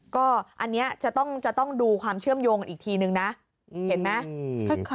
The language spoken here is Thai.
ก็อันนี้จะต้องดูความเชื่อมโยงอีกทีนึงนะเห็นไหม